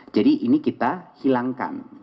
jadi ini kita hilangkan